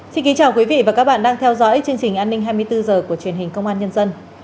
xin kính chào quý vị và các bạn đang theo dõi chương trình an ninh hai mươi bốn h của truyền hình công an nhân dân